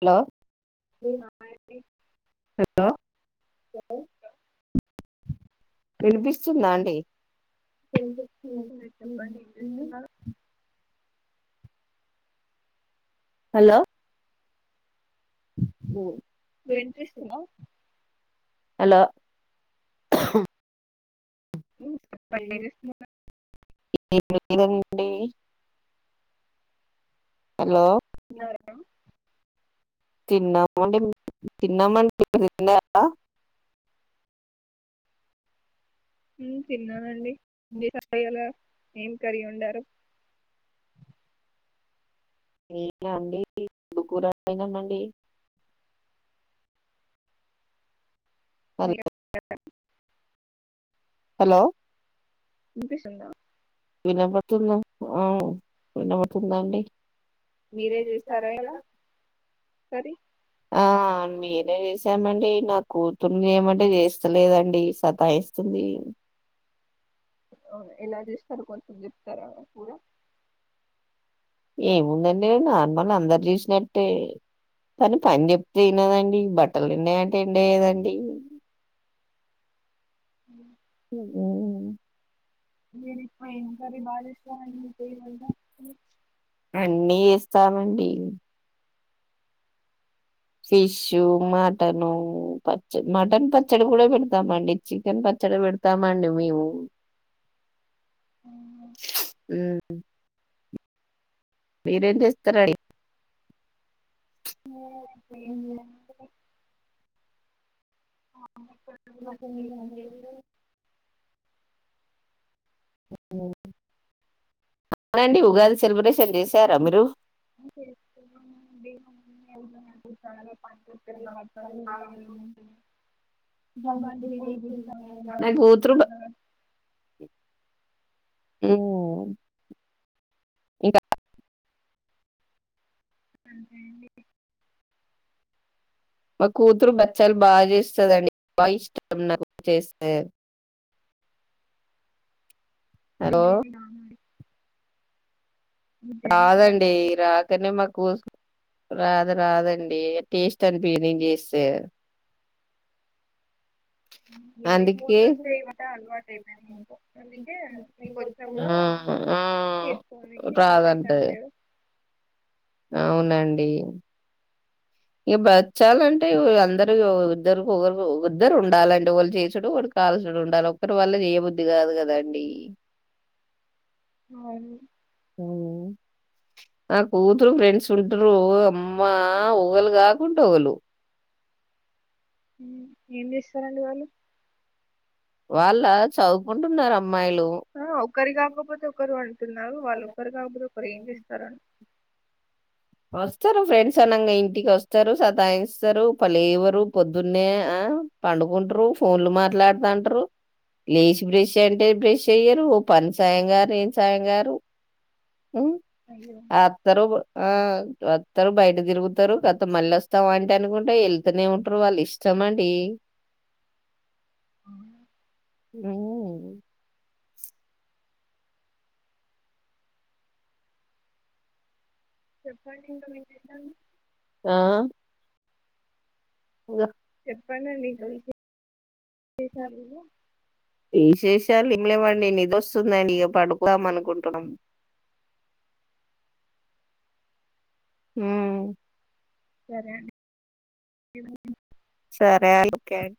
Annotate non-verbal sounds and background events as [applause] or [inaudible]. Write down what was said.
Hello hi hello వినిపిస్తుందా అండి మీ చెప్పండి వినిపిస్తుందా హలో ఓ వినిపిస్తుందా హలో ఏం [unintelligible] [unintelligible] ఏండి హలో తిన్నార తిన్నామండి [unintelligible] హ్మ్ తిన్నానండి సరయ్యలా ఏం కర్రీ వండారు ఏ అండి ముందుగుర అయినా అండి అర మీకు హలో వినిపిస్తుందా వినపడుతుందా వినపడుతుందా అండి మీరే చేసారా ఇలా సరి ఆ మీరే చేసామండి నా కూతుర్ని చేయమంటే చేస్తలేదండి సతాయిస్తుంది. అవును ఎలా చేస్తారు కొంచెం చెప్తారా కూర ఏముందండి నార్మల్ అందరు చూసినట్టే కానీ పని చెప్తే తినదండి బట్టలు పిండేయ్ అంటే పిండేయదండి ఉ మీరు ఎక్కువ ఏం కర్రీ బాగా చేస్తారండి మీకు ఏ వంట అన్ని చావండి ఫిష్ మటను పచ్చ మటన్ పచ్చడి కూడా పెడతామండి చికెన్ పచ్చడి పెడతామండి మేము అ మీరేం చేస్తారండి ఎక్కువ ఏం చేయాలంటే ఆమ్లెట్ కూడా బాగా చేస్తాను. అవునండి ఉగాది సెలబ్రేషన్ చెసార మీరు చేస్తున్నానండి. మా మమ్మీ ఎవరు నాకు చాలా పంచకర్రీ బస్తాలు కాలు ఉన్నాయి. బంతి పూలు గుచ్చాము నాకు బంతి పూలు కూతురు ఏ ఇకా అంతే అండి మా కూతురు బచ్చాలు బాగా చేస్తదండి బాగా ఇష్టమండి నాకు చేస్తే హలో! [unintelligible] రాదండి రాకనే మా రాదు రాదండి టేస్ట్ అనిపియదు నేన్ చేస్సే, ఇగ మీ కూతురు సేయ్ వంట అలవాటు అయిపోయింది. మీకు అందుకే మీకు వచ్చిన కూడా ఆ! ఆ! చేసుకోనికి, ఇంట్రెస్ట్ రాదంటది. అనిపియ్యదు అవునండి ఇగ బచ్చాలంటే వ్ అందరు ఓ ఇద్దరు ఒకరు ఇద్దరు ఉండాలండి. ఒకళ్ళు చేసుడు, ఒకరు కాల్చుడు ఉండాల ఒక్కరి వల్ల చేయబుద్ధి కాదు కదండి. అవును నా కూతురు ఫ్రెండ్స్ ఉంటురు అమ్మా ఒకళ్ళు కాకుంటే ఒకళు. హు ఏం చేసారండి వాళ్ళు వాళ్ళ చదువుకుంటున్నారమ్ హో ఒకరి గాకపోతే ఒకరు అంటున్నావ్ వాళ్ళు ఒకరు గాకపోతే ఒకరు ఏం చేస్తారని వస్తారు ఫ్రెండ్స్ అనంగా ఇంటికి వస్తారు సతా ఇస్తారు ప లేవరు పొద్దున్నే ఆ పండుకుంటురు ఫోన్లు మాట్లాడుతాంటరు లేచి బ్రష్ అంటే బ్రష్ చెయ్యరు ఓ పని సాయం గారు ఏం సాయం గారు. మ్మ్ అయ్యో ఆత్తరువ్ ఆ వత్తారు బయట తిరుగుతారు కతం మళ్ళీ వస్తాం అంటే అనుకుంటే వెళ్తూనే ఉంటురు వాళ్ళు ఇష్టం అండి. చెప్పండి ఇంకా విశేషాలు ఆ చెప్పండి అండి ఇంకా విశేషాలు తీసేషి టార్ లింలేవండి నీదోసుందండి ఇగా పడుకులం అనుకుంటున్నాం హు తేయాండి సర్యలు క్యాట్